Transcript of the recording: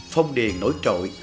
phong điền nổi trội